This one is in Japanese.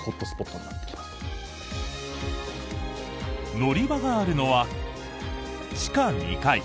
乗り場があるのは地下２階。